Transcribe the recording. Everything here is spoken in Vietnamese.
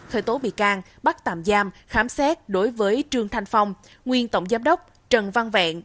khởi tố bị can bắt tạm giam khám xét đối với trương thanh phong nguyên tổng giám đốc trần văn vẹn